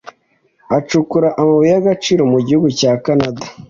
acukura amabuye yagaciro mugihugu cya canada